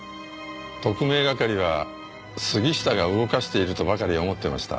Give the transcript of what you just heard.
特命係は杉下が動かしているとばかり思ってました。